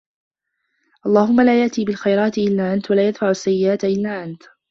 اللَّهُمَّ لَا يَأْتِي بِالْخَيْرَاتِ إلَّا أَنْتَ وَلَا يَدْفَعُ السَّيِّئَاتِ إلَّا أَنْتَ